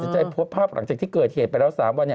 ใจโพสต์ภาพหลังจากที่เกิดเหตุไปแล้ว๓วัน